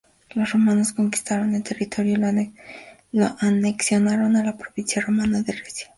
Los romanos conquistaron el territorio y lo anexionaron a la provincia romana de Recia.